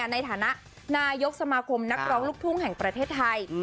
ในฐานะนายกสมาคมนักร้องลูกทุ่งแห่งประเทศไทย